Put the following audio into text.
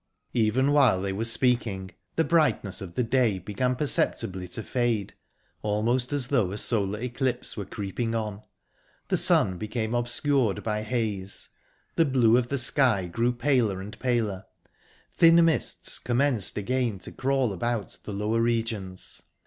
Even while they were speaking, the brightness of the day began perceptibly to fade, almost as though a solar eclipse were creeping on. The sun became obscured by haze, the blue of the sky grew paler and paler, thin mists commenced again to crawl about the lower regions.